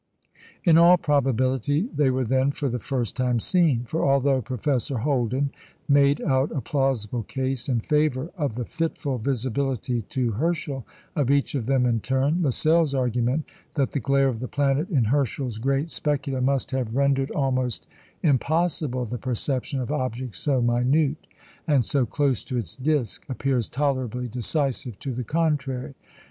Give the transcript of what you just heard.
In all probability they were then for the first time seen; for although Professor Holden made out a plausible case in favour of the fitful visibility to Herschel of each of them in turn, Lassell's argument that the glare of the planet in Herschel's great specula must have rendered almost impossible the perception of objects so minute and so close to its disc, appears tolerably decisive to the contrary.